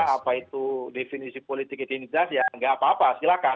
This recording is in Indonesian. apa itu definisi politik identitas ya nggak apa apa silakan